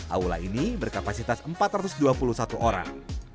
aula ini berkapasitas empat ratus dua puluh satu orang